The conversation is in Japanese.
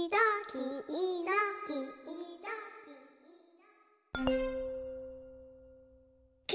きいろきいろきいろ。